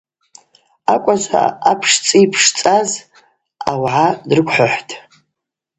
Акӏважва апшцӏа йпшцӏаз ауагӏа дрыквхӏвхӏватӏ.